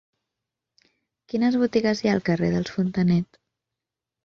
Quines botigues hi ha al carrer dels Fontanet?